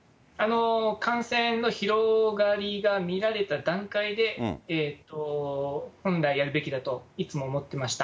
感染の広がりが見られた段階で、本来やるべきだと、いつも思っていました。